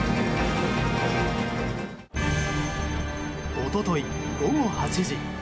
一昨日、午後８時。